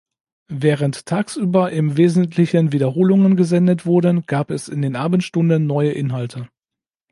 Während tagsüber im Wesentlichen Wiederholungen gesendet wurden, gab es in den Abendstunden neue Inhalte.